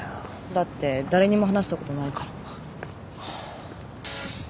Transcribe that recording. だって誰にも話したことないから。